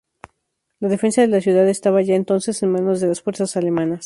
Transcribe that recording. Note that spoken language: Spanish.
La defensa de la ciudad estaba ya entonces en manos de las fuerzas alemanas.